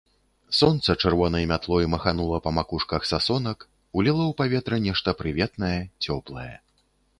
Сонца чырвонай мятлой маханула па макушках сасонак, уліло ў паветра нешта прыветнае, цёплае.